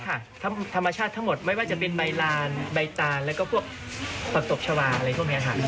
ธรรมชาติทั้งหมดไม่ว่าจะเป็นใบลานใบตานแล้วก็พวกผักตบชาวาอะไรพวกนี้ค่ะ